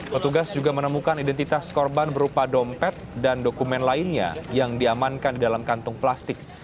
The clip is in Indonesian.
petugas juga menemukan identitas korban berupa dompet dan dokumen lainnya yang diamankan di dalam kantong plastik